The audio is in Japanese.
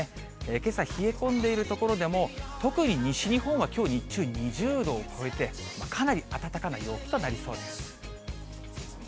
けさ、冷え込んでいる所でも、特に西日本はきょう日中、２０度を超えて、かなり暖かな陽気となりそうです。